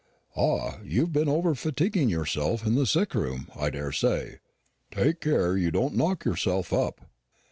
"Ah, you've been over fatiguing yourself in the sick room, I daresay. Take care you don't knock yourself up."